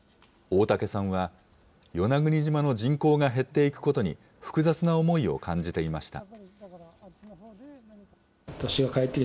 大嵩さんは、与那国島の人口が減っていくことに、複雑な思いを感じていました。